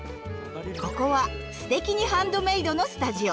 ここは「すてきにハンドメイド」のスタジオ。